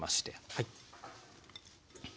はい。